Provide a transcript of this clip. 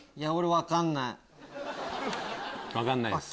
分かんないです。